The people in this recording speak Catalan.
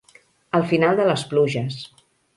El final de les pluges.